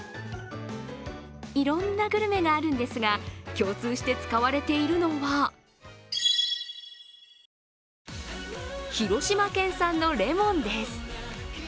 いろんなグルメがあるんですが共通して使われているのは広島県産のレモンです。